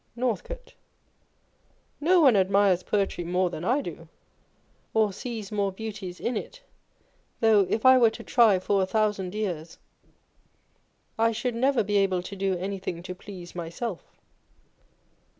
Nortltcote. No one admires poetry more than I do, or sees more beauties in it ; though if I were to try for a thousand years, I should never be able to do anything to please myself.